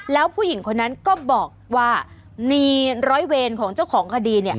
แล้วผู้หญิงคนนั้นก็บอกว่ามีร้อยเวรของเจ้าของคดี